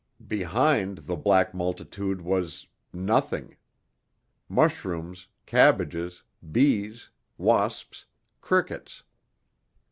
Behind the black multitude was nothing. Mushrooms, cabbages, bees, wasps, crickets.